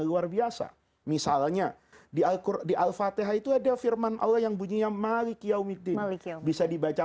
luar biasa misalnya di al fatihah itu ada firman allah yang bunyinya malik yaumiddin bisa dibaca